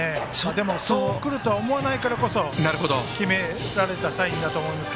でもそうくるとは思わないからこそ決められたと思います。